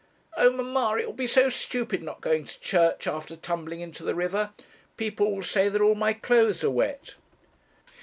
'Oh, mamma, it will be so stupid not going to church after tumbling into the river; people will say that all my clothes are wet.'